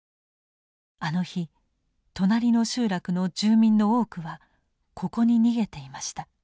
あの日隣の集落の住民の多くはここに逃げていました。